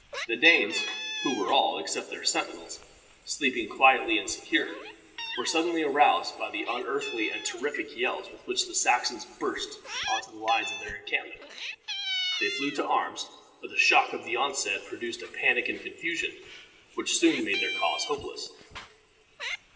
The Danes, who were all, except their sentinels, sleeping quietly and secure, were suddenly aroused by the unearthly and terrific yells with which the Saxons burst into the lines of their encampment. They flew to arms, but the shock of the onset produced a panic and confusion which soon made their cause hopeless.